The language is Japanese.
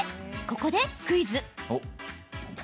ここでクイズ。